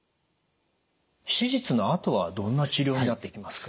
手術のあとはどんな治療になっていきますか？